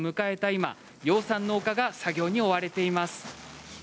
今養蚕農家が作業に追われています。